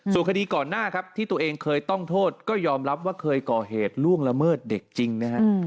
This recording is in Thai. ส่วนคดีก่อนหน้าครับที่ตัวเองเคยต้องโทษก็ยอมรับว่าเคยก่อเหตุล่วงละเมิดเด็กจริงนะฮะ